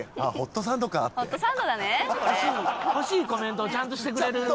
欲しいコメントをちゃんとしてくれる。